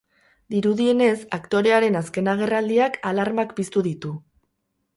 Dirudienez, aktorearen azken agerraldiak alarmak piztu ditu.